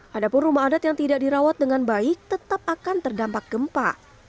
hadapun rumah adat yang tidak dirawat dengan baik tetap akan terdampak gempa